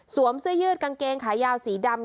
เสื้อยืดกางเกงขายาวสีดำ